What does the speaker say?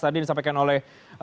tadi yang disampaikan oleh